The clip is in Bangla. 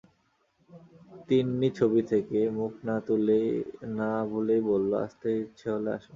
তিন্নি ছবি থেকে মুখ না-ভুলেই বলল, আসতে ইচ্ছে হলে আসুন।